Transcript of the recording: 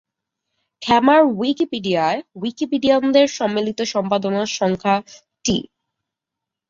খেমার উইকিপিডিয়ায় উইকিপিডিয়ানদের সম্মিলিত সম্পাদনার সংখ্যা টি।